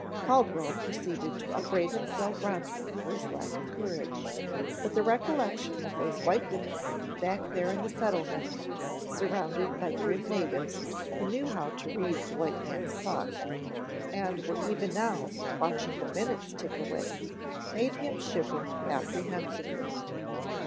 Caldwell proceeded to upbraid himself roundly for his lack of courage, but the recollection of those white women back there in the settlement, surrounded by grim natives who knew how to read the white man's clock, and were even now watching the minutes tick away made him shiver apprehensively.